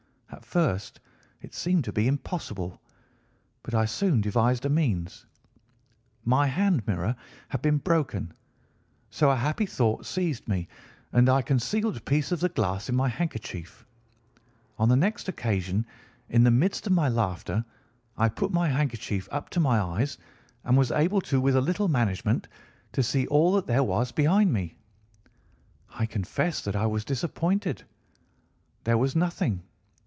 At first it seemed to be impossible, but I soon devised a means. My hand mirror had been broken, so a happy thought seized me, and I concealed a piece of the glass in my handkerchief. On the next occasion, in the midst of my laughter, I put my handkerchief up to my eyes, and was able with a little management to see all that there was behind me. I confess that I was disappointed. There was nothing.